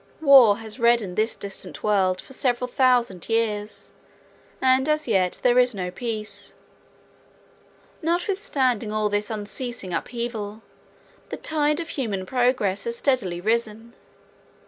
War has reddened this distant world for several thousand years, and as yet there is no peace. Notwithstanding all this unceasing upheaval, the tide of human progress has steadily risen.